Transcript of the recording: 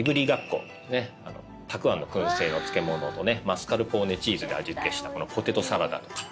たくあんの薫製の漬物とマスカルポーネチーズで味付けしたポテトサラダとか。